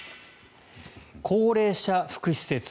高齢者福祉施設